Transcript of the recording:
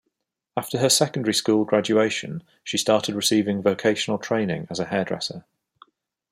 After her secondary school graduation she started receiving vocational training as a hairdresser.